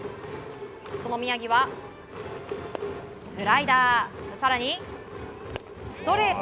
その宮城は、スライダー更に、ストレート。